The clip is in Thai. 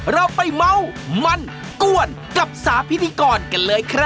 เราไปเมาส์มันก้วนกับสาพิธีกรกันเลยครับ